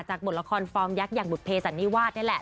บทละครฟอร์มยักษ์อย่างบุตเพสันนิวาสนี่แหละ